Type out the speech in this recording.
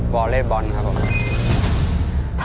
วอเล่บอลครับผม